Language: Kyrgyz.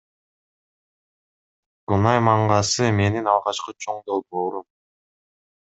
Кунай мангасы менин алгачкы чоң долбоорум.